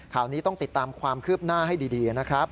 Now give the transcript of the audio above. ข่าวนี้ต้องติดตามความคืบหน้าให้ดีนะครับ